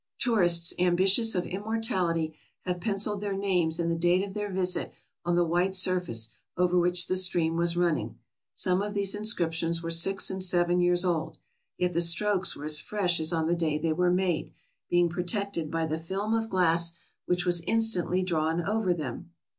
Tourists ambitious of immortality have penciled their names and the date of their visit on the white surface over which the stream was running. Some of these inscriptions were six and seven years old, yet the strokes were as fresh as on the day they were made, being protected by the film of glass which was instantly drawn over them.